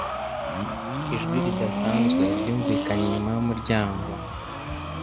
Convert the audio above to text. Ijwi ridasanzwe ryumvikanye inyuma yumuryango.